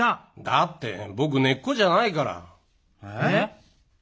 だって僕根っこじゃないから。え？